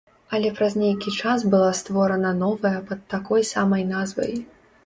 Але праз нейкі час была створана новая пад такой самай назвай.